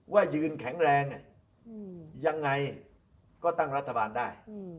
ยืนแข็งแรงยังไงก็ตั้งรัฐบาลได้